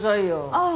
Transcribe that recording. ああ